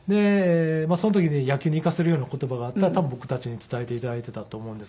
その時に野球に生かせるような言葉があったら多分僕たちに伝えて頂いていたと思うんですけども。